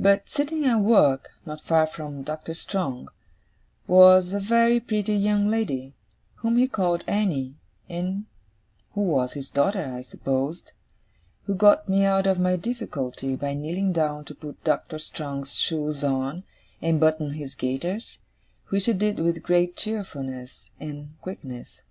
But, sitting at work, not far from Doctor Strong, was a very pretty young lady whom he called Annie, and who was his daughter, I supposed who got me out of my difficulty by kneeling down to put Doctor Strong's shoes on, and button his gaiters, which she did with great cheerfulness and quickness.